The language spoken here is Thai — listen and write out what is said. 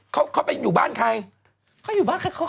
เขาอยู่บ้านใคร